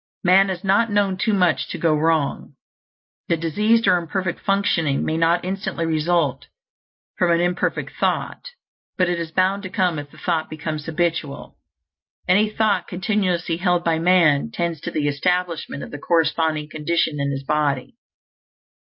Man has not known too much to go wrong. The diseased or imperfect functioning may not instantly result from an imperfect thought, but it is bound to come if the thought becomes habitual. Any thought continuously held by man tends to the establishment of the corresponding condition in his body.